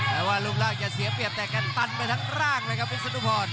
แปลว่ารุ่นล่างจะเสียเปรียบแต่กันตันไปทั้งร่างนะครับมิสุนุพร